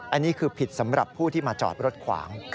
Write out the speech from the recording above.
อันนี้คือผิดสำหรับผู้ที่มาจอดรถขวาง